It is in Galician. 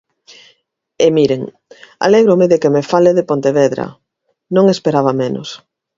E, miren, alégrome de que me fale de Pontevedra, non esperaba menos.